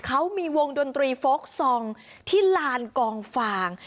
เขามีวงดนตรีโฟลกซองที่ลานกองฟาง